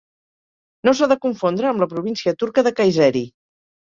No s'ha de confondre amb la província turca de Kayseri.